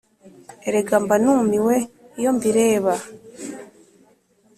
Erega mba numiwe iyo mbireba